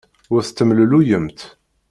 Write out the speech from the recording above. Ur tettemlelluyemt.